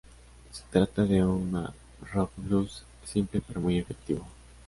Se trata de una rock blues simple pero muy efectivo.